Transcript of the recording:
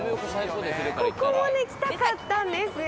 ここも来たかったんですよ。